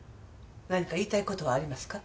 何か言いたい事はありますか？